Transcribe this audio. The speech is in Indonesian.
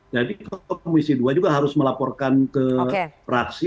jadi komisi dua juga harus melaporkan ke praksi